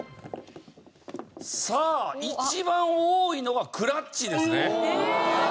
さあ一番多いのはクラッチですね。